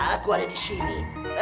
aku ada disini